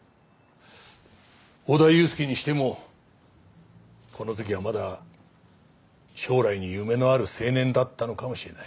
小田悠介にしてもこの時はまだ将来に夢のある青年だったのかもしれない。